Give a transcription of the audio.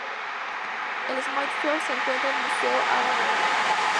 En Smithfield se encuentra el Museo Ava Gardner.